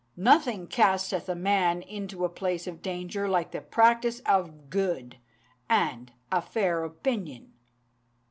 Nothing casteth a man into a place of danger like the practice of good, and a fair opinion!'